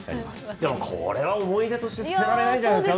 でもこれは思い出として、捨てられないんじゃないですか。